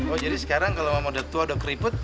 oh jadi sekarang kalau memang udah tua udah keriput